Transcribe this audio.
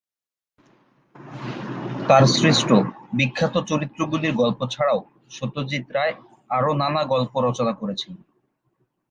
তার সৃষ্ট বিখ্যাত চরিত্রগুলির গল্প ছাড়াও সত্যজিৎ রায় আরো নানা গল্প রচনা করেছেন।